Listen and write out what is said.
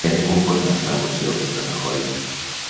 Què ha de comportar la moció contra Rajoy?